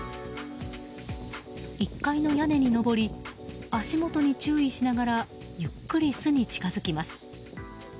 １階の屋根に上り足元に注意しながらゆっくり巣に近づきます。